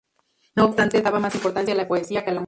No obstante, daba más importancia a la poesía que a la música.